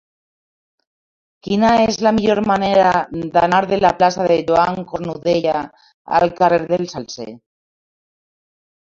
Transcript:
Quina és la millor manera d'anar de la plaça de Joan Cornudella al carrer del Salze?